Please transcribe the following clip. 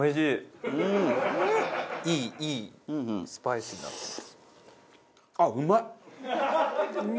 いいスパイスになってます。